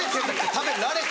食べられてるの？